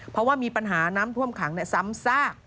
เพราะว่ามีปัญหาน้ำท่วมขังซ้ำซาก